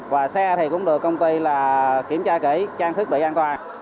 và xe thì cũng được công ty kiểm tra kỹ trang thức để an toàn